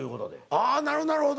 ああなるほどなるほど。